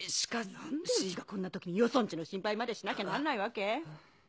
何でうちがこんな時によそん家の心配までしなきゃなんないわけ？